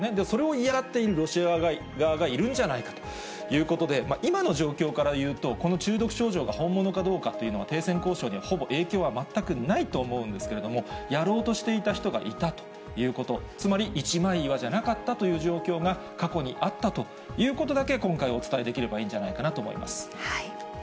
それを嫌がっているロシア側がいるんじゃないかということで、今の状況から言うと、この中毒症状が本物かどうかっていうのは、停戦交渉にほぼ影響は全くないと思うんですけれども、やろうとしていた人がいたということ、つまり、一枚岩じゃなかったという状況が、過去にあったということだけ、今回、お伝えできればいいんじゃないかなと思います。